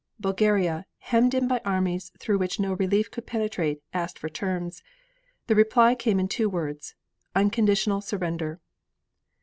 Bulgaria, hemmed in by armies through which no relief could penetrate, asked for terms. The reply came in two words, "Unconditional Surrender."